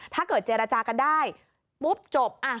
ถ้าเกิดเจรจากันได้ปุ๊บจบ